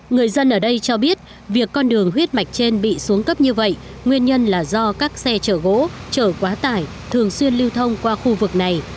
người dân ở đây cho biết việc con đường huyết mạch trên bị xuống cấp như vậy nguyên nhân là do các xe chở gỗ chở quá tải thường xuyên lưu thông qua khu vực này